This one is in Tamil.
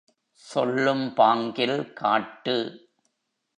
சொல்லும் பாங்கில் காட்டு!